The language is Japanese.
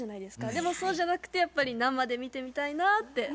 でもそうじゃなくてやっぱり生で見てみたいなって思いますね。